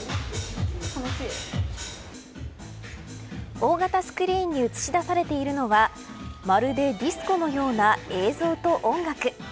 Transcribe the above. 大型スクリーンに映し出されているのはまるでディスコのような映像と音楽。